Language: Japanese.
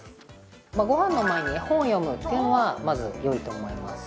ごはんの前に絵本を読むっていうのはまずよいと思います